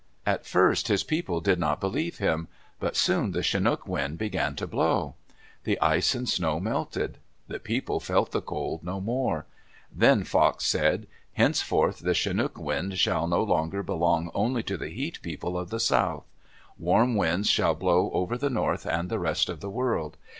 At first his people did not believe him. But soon the chinook wind began to blow. The ice and snow melted. The people felt the cold no more. Then Fox said, "Henceforth the chinook wind shall no longer belong only to the Heat People of the south. Warm winds shall blow over the north and the rest of the world.